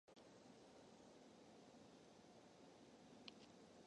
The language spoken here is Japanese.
北海道更別村